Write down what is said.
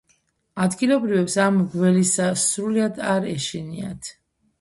ადგილობრივებს ამ გველისა სრულიად არ ეშინიათ.